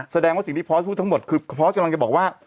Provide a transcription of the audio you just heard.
แสดงว่าสิ่งที่พอสพูดทั้งหมดคือพอสกำลังจะบอกว่า